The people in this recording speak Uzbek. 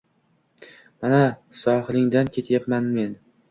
Mana, sohilingdan ketayapman men